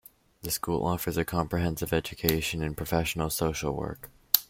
The school offers a comprehensive education in professional social work.